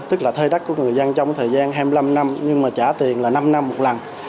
tức là thuê đất của người dân trong thời gian hai mươi năm năm nhưng mà trả tiền là năm năm một lần